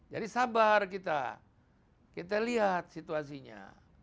jadi sabar kita kita lihat situasinya